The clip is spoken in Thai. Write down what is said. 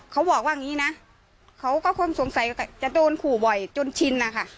เขาบอกว่าอย่างนี้นะเขาก็คงสงสัยจะโดนขู่บ่อยจนชินนะคะ